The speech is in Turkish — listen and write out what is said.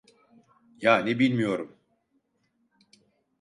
Yani bilmiyorum.